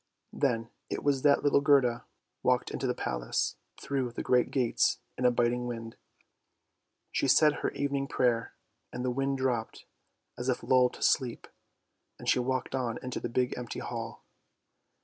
Then it was that little Gerda walked into the Palace, through the great gates in a biting wind. She said her evening prayer, and the wind dropped as if lulled to sleep, and she walked on into the big empty hall.